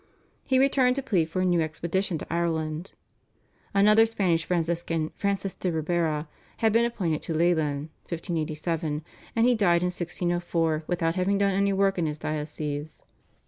He returned to plead for a new expedition to Ireland. Another Spanish Franciscan, Francis de Ribera, had been appointed to Leighlin (1587), but he died in 1604 without having done any work in his diocese.